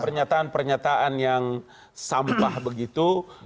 pernyataan pernyataan yang sampah begitu